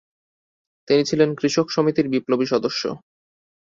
তিনি ছিলেন কৃষক সমিতির বিপ্লবী সদস্য।